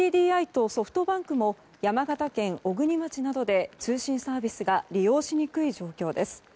ＫＤＤＩとソフトバンクも山形県小国町などで通信サービスが利用しにくい状況です。